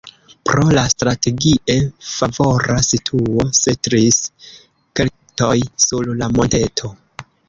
Pro la strategie favora situo setlis keltoj sur la monteto.